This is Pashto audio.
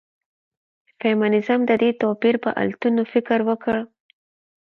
فيمنيزم د دې توپير پر علتونو فکر وکړ.